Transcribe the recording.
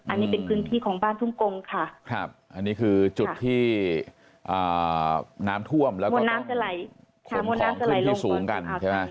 อันนี้เป็นพื้นที่ของบ้านทุ่งโกงค่ะอันนี้คือจุดที่น้ำท่วมแล้วก็มวลน้ำจะไหลลงก่อน